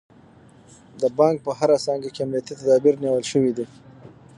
د بانک په هره څانګه کې امنیتي تدابیر نیول شوي دي.